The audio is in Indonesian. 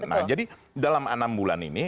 nah jadi dalam enam bulan ini